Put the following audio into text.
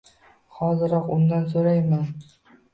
Hoziroq undan so`rayman